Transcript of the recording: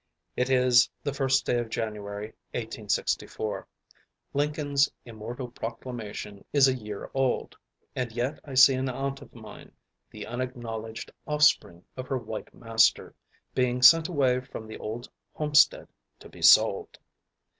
It is the first day of January, 1864. Lincoln's immortal proclamation is a year old, and yet I see an aunt of mine, the unacknowledged offspring of her white master, being sent away from the old homestead to be sold.